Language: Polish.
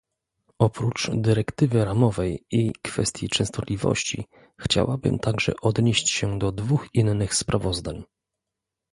Oprócz dyrektywy ramowej i kwestii częstotliwości, chciałabym także odnieść się do dwóch innych sprawozdań